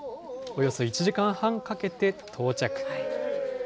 およそ１時間半かけて到着。